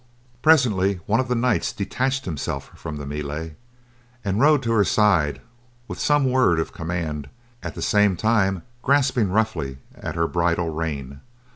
Presently, one of the knights detached himself from the melee and rode to her side with some word of command, at the same time grasping roughly at her bridle rein.